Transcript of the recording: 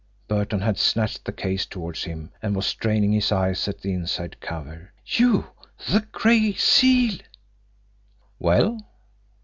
Burton had snatched the case toward him, and was straining his eyes at the inside cover. "You the Gray Seal!" "Well?"